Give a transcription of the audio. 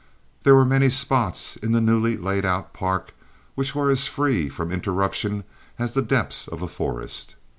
There were many spots in the newly laid out park, which were as free from interruption as the depths of a forest.